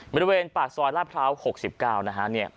บริเวณปากซอยลาดพร้าว๖๙นะฮะ